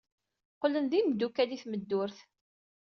Qqlen d imeddukal i tmeddurt.